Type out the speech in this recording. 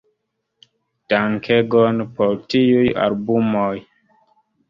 Dankegon por tiuj albumoj!